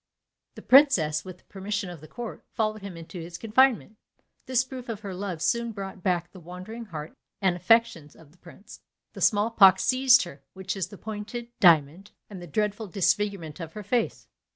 The princess, with the permission of the court, followed him into his confinement. This proof of her love soon brought back the wandering heart and affections of the prince. The small pox seized her; which is the pointed diamond, and the dreadful disfigurement of her face.